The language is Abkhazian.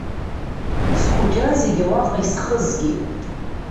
Схәыҷра зегьы уаҟа исхызгеит.